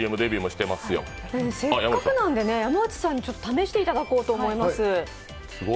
せっかくなんで山内さんに試していただこうと思います。